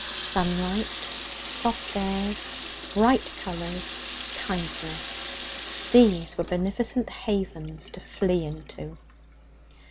Sunlight, soft airs, bright colours, kindness these were beneficent havens to flee into.